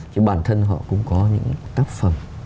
thì bản thân họ cũng có những tác phẩm